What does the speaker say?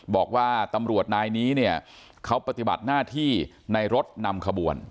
บอกว่าตำรวจนายนี้เนี่ยเขาปฏิบัติหน้าที่ในรถนำขบวน